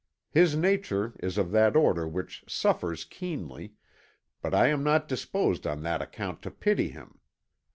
His nature is of that order which suffers keenly, but I am not disposed on that account to pity him.